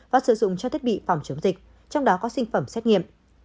và sử dụng cho thiết bị phòng chống dịch trong đó có sinh phẩm xét nghiệm